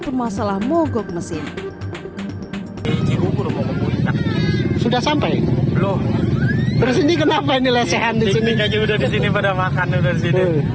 permasalah mogok mesin sudah sampai belum bersih kenapa ini lesehan disini